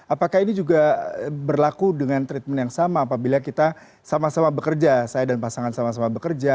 apakah ini juga berlaku dengan treatment yang sama apabila kita sama sama bekerja saya dan pasangan sama sama bekerja